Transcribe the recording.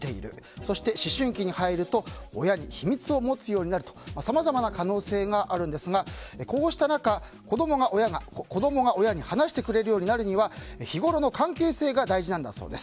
そして思春期に入ると親に秘密を持つようになるとさまざまな可能性があるんですがこうした中子供が親に話してくれるようになるには日頃の関係性が大事なんだそうです。